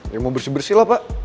ya mau bersih bersih lah pak